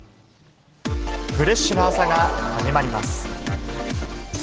フレッシュな朝が始まります。